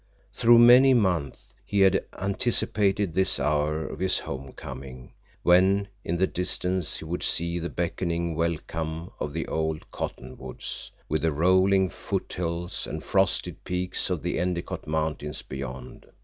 Through many months he had anticipated this hour of his home coming, when in the distance he would see the beckoning welcome of the old cottonwoods, with the rolling foothills and frosted peaks of the Endicott Mountains beyond.